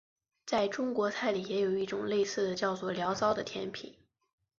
在中国菜里也有一种类似的叫做醪糟的甜品。